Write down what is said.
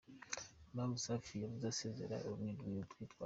Impamvu Safi yavuze asezera ni urwitwazo’.